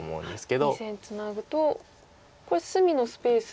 ２線ツナぐとこれ隅のスペースは。